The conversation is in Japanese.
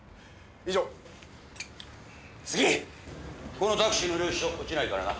このタクシーの領収書落ちないからな。